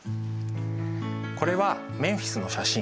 これはメンフィスの写真。